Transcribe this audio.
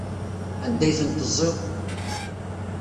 Anda ay tent-teẓẓiḍ?